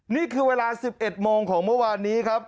นี่คือเวลา๑๑โมงของเมื่อวานนี้ครับ